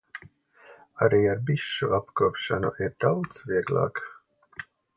Arī ar bišu apkopšanu ir daudz vieglāk.